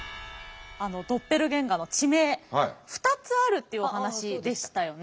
ドッペルゲンガーの地名２つあるというお話でしたよね。